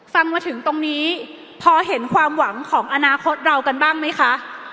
ฟังมาถึงตรงนี้พอเห็นความหวังของอนาคตเรากันบ้างไหมคะ